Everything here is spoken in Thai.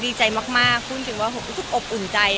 ดีใจมากพูดถือว่ารู้สึกอบอุ่นใจ